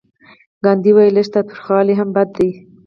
ګاندي وايي لږ تاوتریخوالی هم بد دی.